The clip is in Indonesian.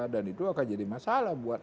dan itu akan jadi masalah buat